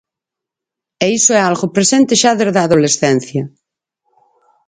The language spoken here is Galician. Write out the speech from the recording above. E iso é algo presente xa desde a adolescencia.